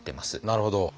なるほど。